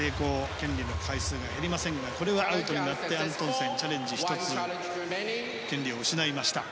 権利の回数は減りませんがこれはアウトになってアントンセン、チャレンジ１つ権利を失いました。